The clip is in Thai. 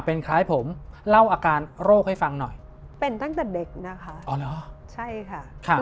เป็นคล้ายผมเล่าอาการโรคให้ฟังหน่อยเป็นตั้งแต่เด็กนะคะอ๋อเหรอใช่ค่ะ